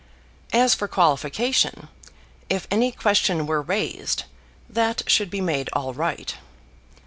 As for qualification, if any question were raised, that should be made all right.